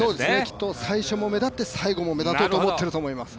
きっと最初も目立って、最後も目立とうと思ってると思います。